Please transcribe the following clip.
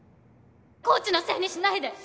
コーチのせいにしないで。